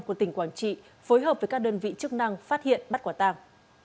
của tỉnh quảng trị phối hợp với các đơn vị chức năng phát hiện bắt quả tàng